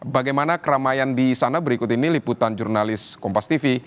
bagaimana keramaian di sana berikut ini liputan jurnalis kompas tv